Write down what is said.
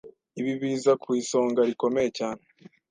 ibi biza ku isonga rikomeye cyane. ”